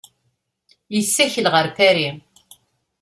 Yessakel ɣer Paris.